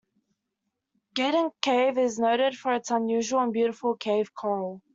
Gaden Cave is noted for its unusual and beautiful cave coral.